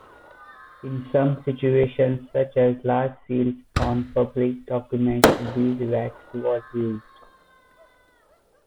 In some situations, such as large seals on public documents, beeswax was used.